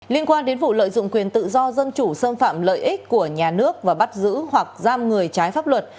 liên quan đến vụ lợi dụng quyền tự do dân chủ xâm phạm lợi ích của nhà nước và bắt giữ hoặc giam người trái pháp luật